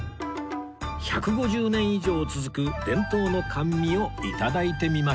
１５０年以上続く伝統の甘味を頂いてみましょう